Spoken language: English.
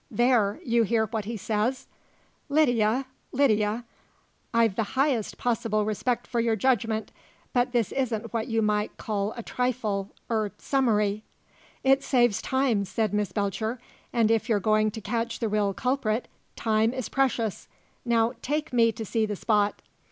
"There! You hear what he says?" "Lydia, Lydia! I've the highest possible respect for your judgment; but isn't this what you might cull a trifle er summary?" "It saves time," said Miss Belcher. "And if you're going to catch the real culprit, time is precious. Now take me to see the spot."